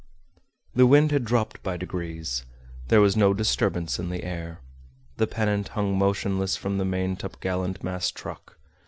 The wind had dropped by degrees. There was no disturbance in the air. The pennant hung motionless from the maintop gallant mast truck.